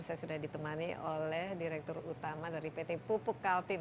saya sudah ditemani oleh direktur utama dari pt pupuk kaltim